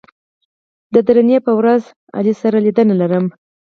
د درېنۍ په ورځ علي سره لیدنه لرم